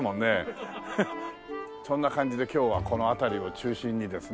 そんな感じで今日はこの辺りを中心にですね。